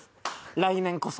来年こそ。